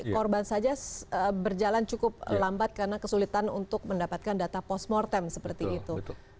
korban saja berjalan cukup lambat karena kesulitan untuk mendapatkan data post mortem seperti itu